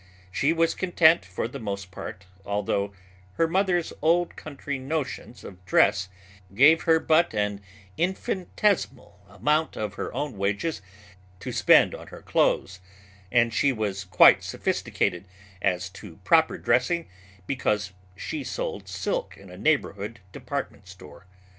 She was content for the most part although her mother's old country notions of dress gave her but an infinitesimal amount of her own wages to spend on her clothes, and she was quite sophisticated as to proper dressing because she sold silk in a neighborhood department store.